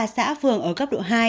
năm mươi ba xã phường ở cấp độ hai